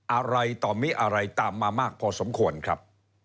อะไรต่อมิอะไรตามมามากพอสมควรครับ